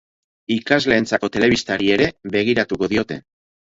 Ikasleentzako telebistari ere begiratuko diote.